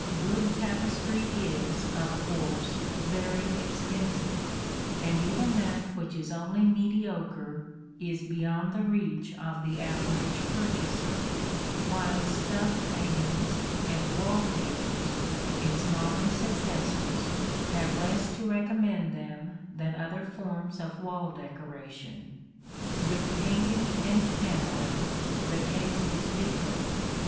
Good tapestry is, of course, very expensive, and even that which is only mediocre is beyond the reach of the average purchaser; while stuff hangings and wall papers, its modern successors, have less to recommend them than other forms of wall decoration. With painting and panelling the case is different.